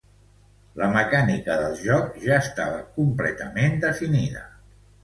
La mecànica del joc ja estava completament definida.